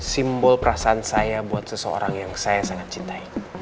simbol perasaan saya buat seseorang yang saya sangat cintai